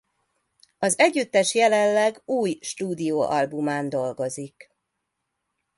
Az együttes jelenleg új stúdióalbumán dolgozik.